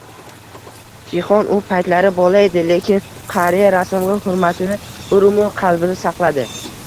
Tixon u paytlari bola edi, lekin qariya rassomga hurmatini bir umr qalbida saqladi.